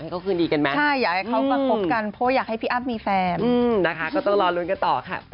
ก็เราก็พยายามให้มันดีที่สุดอะนะคะ